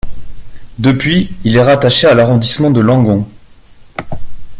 Depuis, il est rattaché à l'arrondissement de Langon.